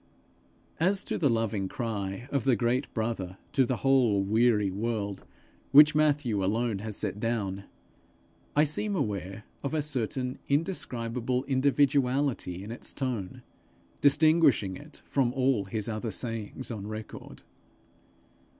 As to the loving cry of the great brother to the whole weary world which Matthew alone has set down, I seem aware of a certain indescribable individuality in its tone, distinguishing it from all his other sayings on record.